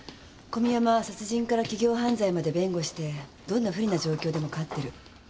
小宮山は殺人から企業犯罪まで弁護してどんな不利な状況でも勝ってる。